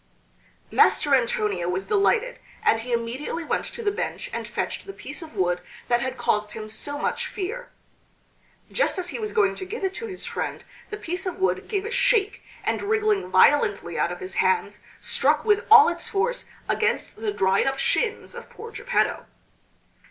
Master Antonio was delighted, and he immediately went to the bench and fetched the piece of wood that had caused him so much fear. Just as he was going to give it to his friend the piece of wood gave a shake and wriggling violently out of his hands struck with all its force against the dried up shins of poor Geppetto.